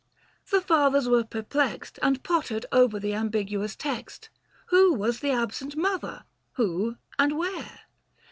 The fathers were perplexed And pottered over the ambiguous text ; Who was the absent mother, who and where